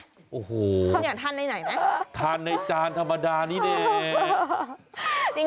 คุณอยากทานในไหนมั้ยทานในจานธรรมดานี่เนี่ย